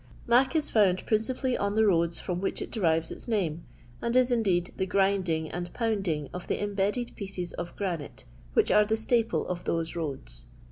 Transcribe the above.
" Mac " is found principally on the roads from which it derives its name, and is, indeed, the grinding and pounding of the imbedded pieces of granite, which are the staple of those roads.